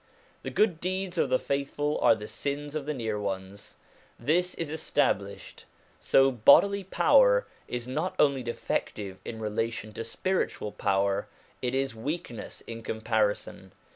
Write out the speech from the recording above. The good deeds of the faithful are the sins of the Near Ones. This is established. So bodily power is not only defective in relation to spiritual power; it is weakness in comparison.